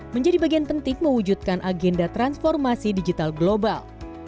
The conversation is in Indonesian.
menjadi bagian penting mewujudkan agenda transformasi digital global